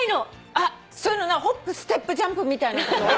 あっホップステップジャンプみたいなこと？